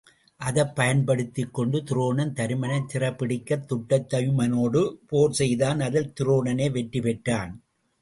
அதைப் பயன்படுத்திக் கொண்டு துரோணன் தருமனைச் சிறைப்பிடிக்கத் திட்டத்துய்மனோடு போர் செய்தான் அதில் துரோணனே வெற்றி பெற்றான்.